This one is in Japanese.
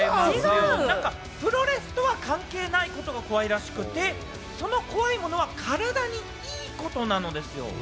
プロレスとは関係ないことが怖いらしくて、それは体に良いことなんですよ。